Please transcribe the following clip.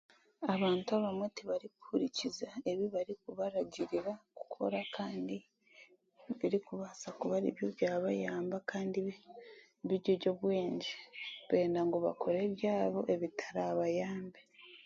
Abaantu abamwe tibarikuhuuriikiza ebi barikubaragirira kukora kandi ebirikubaasa kuba aribyo by'abayamba kandi biri eby'obwengye benda ngu bakore ebyabo ebitarabayambe.